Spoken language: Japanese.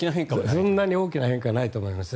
そんなに大きな変化はないと思います。